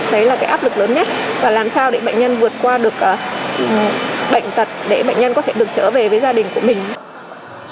đấy là cái áp lực lớn nhất và làm sao để bệnh nhân vượt qua được bệnh tật để bệnh nhân có thể được trở về với gia đình của mình